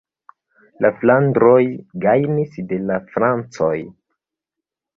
La flandroj gajnis de la francoj.